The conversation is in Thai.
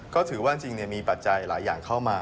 ก็ถือว่าจริงมีปัจจัยหลายอย่างเข้ามา